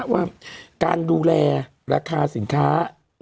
ว่าการดูแลราคาสินค้า